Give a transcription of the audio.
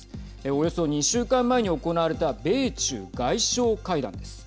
およそ２週間前に行われた米中外相会談です。